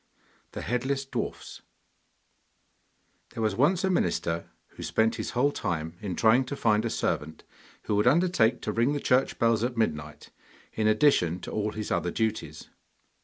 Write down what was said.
THE HEADLESS DWARFS There was once a minister who spent his whole time in trying to find a servant who would undertake to ring the church bells at midnight, in addition to all his other duties.